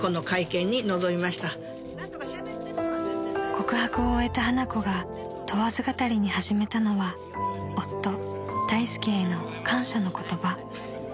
［告白を終えた花子が問わず語りに始めたのは夫大助への感謝の言葉］